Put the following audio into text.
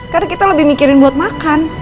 karena kita lebih mikirin buat makan